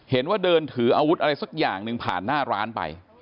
เห็นว่าเดินถืออาวุธอะไรสักอย่างหนึ่งผ่านหน้าร้านไป